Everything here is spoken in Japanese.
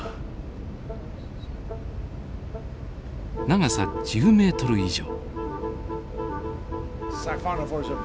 長さ１０メートル以上。